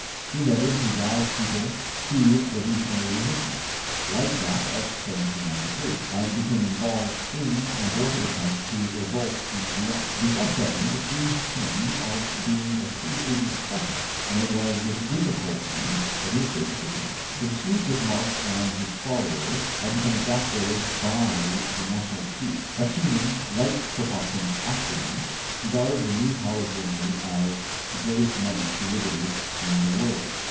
He endeavored to rouse the people to revolutionary resistance like that of 1793, and became involved in an abortive attempt at revolt in Lyons. The French Government accused him of being a paid agent of Prussia, and it was with difficulty that he escaped to Switzerland. The dispute with Marx and his followers had become exacerbated by the national dispute. Bakunin, like Kropotkin after him, regarded the new power of Germany as the greatest menace to liberty in the world.